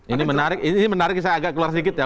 ini menarik ini menarik saya agak keluar sedikit ya